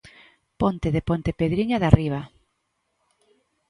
Ponte de Pontepedriña de Arriba.